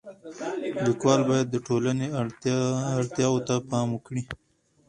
لیکوال باید د ټولنې اړتیاو ته پام وکړي.